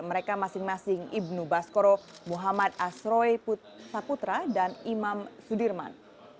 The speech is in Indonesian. mereka masing masing ibnu baskoro muhammad asroi saputra dan imam sudirman